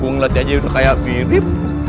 gue ngeliat aja kayak pirip